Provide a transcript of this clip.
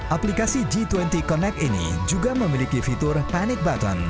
aplikasi g dua puluh connect ini juga memiliki fitur panic button